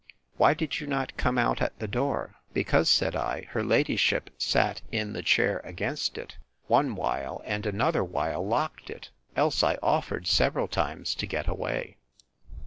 Why did you not come out at the door? Because, said I, her ladyship sat in the chair against it, one while, and another while locked it; else I offered several times to get away.